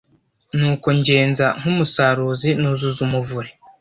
nuko ngenza nk'umusaruzi nuzuza umuvure